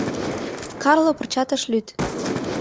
Карло пырчат ыш лӱд.